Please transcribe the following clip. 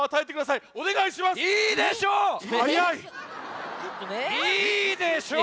いいでしょう！